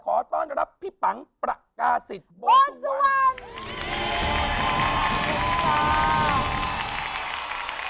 ขอต้อนรับพี่ปังประกาศิษย์โบสุวรรณ